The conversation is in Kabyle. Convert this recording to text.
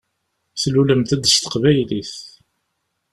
Tlulemt-d s teqbaylit.